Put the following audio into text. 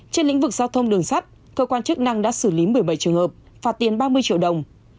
trên lĩnh vực giao thông đường sắt cơ quan chức năng đã xử lý một mươi bảy trường hợp phạt tiền ba mươi triệu đồng